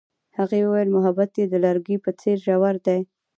هغې وویل محبت یې د لرګی په څېر ژور دی.